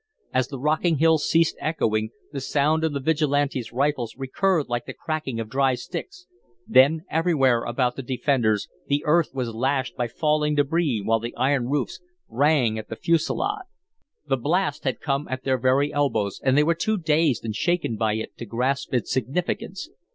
As the rocking hills ceased echoing, the sound of the Vigilantes' rifles recurred like the cracking of dry sticks, then everywhere about the defenders the earth was lashed by falling debris while the iron roofs rang at the fusillade. The blast had come at their very elbows, and they were too dazed and shaken by it to grasp its significance.